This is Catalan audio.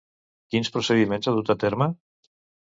Quins procediments ha dut a terme?